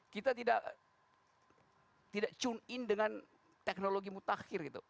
kita tidak tune in dengan teknologi mutakhir gitu